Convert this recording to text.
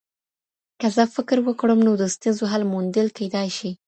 که زه فکر وکړم نو د ستونزو حل موندل کیدای شي.